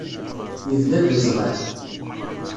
Yebda-d uzɣal.